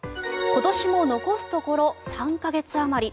今年も残すところ３か月あまり。